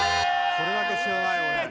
これだけ知らない俺。